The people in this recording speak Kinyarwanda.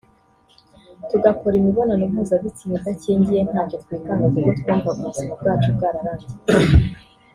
tugakora imibonano mpuzabitsina idakingiye ntacyo twikanga kuko twumvaga ubuzima bwacu bwararangiye